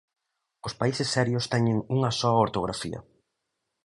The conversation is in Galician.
Os países serios teñen unha soa ortografía.